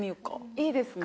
いいですか？